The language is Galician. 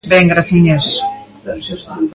Ben, graciñas.